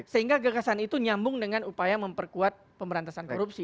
sehingga gagasan itu nyambung dengan upaya memperkuat pemberantasan korupsi